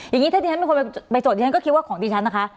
อย่างนี้ถ้าดิฉันเป็นคนไปโจทย์ที่ฉันก็คิดว่าของดิฉันนะคะ